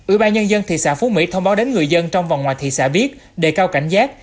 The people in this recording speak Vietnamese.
ủy ban nhân dân thị xã phú mỹ thông báo đến người dân trong và ngoài thị xã biết đề cao cảnh giác